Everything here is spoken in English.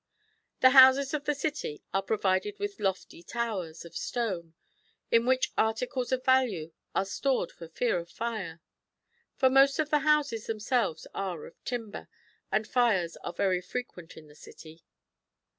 '*] The houses of the City are provided with lofty towers of stone in which articles of value are stored for fear of fire ; for most of the houses themselves are of timber, and fires are very frequent in the city.